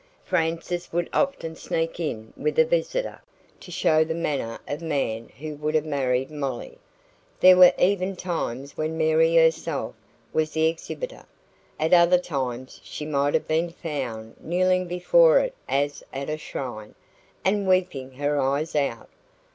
Frances would often sneak in with a visitor, to show the manner of man who would have married Molly; there were even times when Mary herself was the exhibitor. At other times she might have been found kneeling before it as at a shrine, and weeping her eyes out.